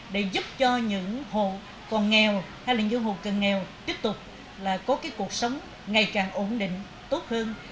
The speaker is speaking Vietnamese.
để giúp cho những hồ còn nghèo hay là những hồ còn nghèo tiếp tục là có cái cuộc sống ngày càng ổn định tốt hơn